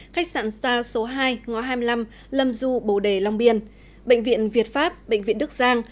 khách sạn star số hai ngõ hai mươi năm lâm du bồ đề long biên bệnh viện việt pháp bệnh viện đức giang